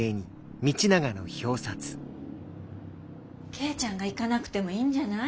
圭ちゃんが行かなくてもいいんじゃない？